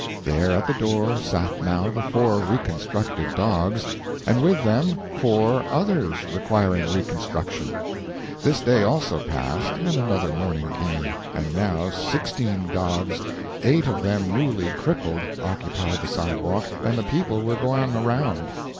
There at the door sat now the four reconstructed dogs, and with them four others requiring reconstruction. This day also passed, and another morning came; and now sixteen dogs, eight of them newly crippled, occupied the sidewalk, and the people were going around.